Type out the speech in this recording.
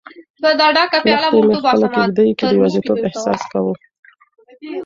لښتې په خپله کيږدۍ کې د یوازیتوب احساس کاوه.